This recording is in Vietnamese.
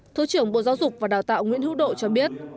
thứ trưởng bộ giáo dục và đào tạo nguyễn hữu độ cho biết